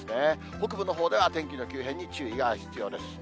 北部のほうでは天気の急変に注意が必要です。